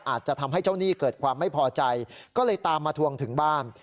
อาจจะทำให้เจ้าหนี้เกิดความไม่พอใจก็เลยตามมาทวงถึงบ้าน